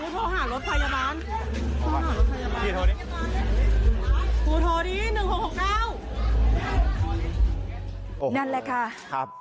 ถ้าคนเห็นคนก็จะตำหนิวิพากษ์วิจารณ์